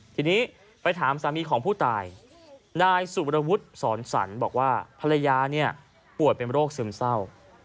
ทีนี้ไปถามสามีของผู้ตายนายสุบรวุฒิสอนสรรบอกว่าภรรยาเนี่ยป่วยเป็นโรคซึมเศร้า